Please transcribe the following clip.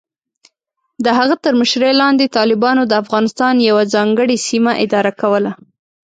د هغه تر مشرۍ لاندې، طالبانو د افغانستان یوه ځانګړې سیمه اداره کوله.